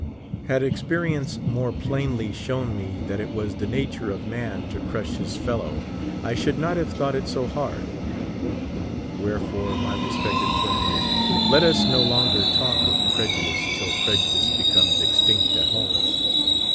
Had ex perience more plainly shown me that it was the nature of man to crush his fellow, I should not have thought it so hard. Wherefore, my respected friends, let us no longer talk of prejudice till prejudice becomes extinct at home.